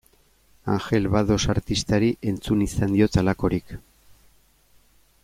Angel Bados artistari entzun izan diot halakorik.